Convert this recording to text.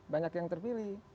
banyak yang terpilih